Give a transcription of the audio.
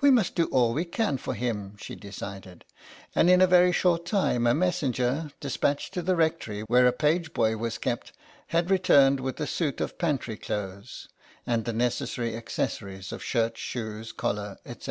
"We must do all we can for him," she decided, and in a very short time a messenger, dispatched to the rectory, where a page boy was kept, had returned with a suit of pantry clothes, and the necessary accessories of shirt, shoes, collar, etc.